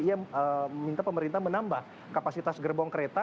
ia meminta pemerintah menambah kapasitas gerbong kereta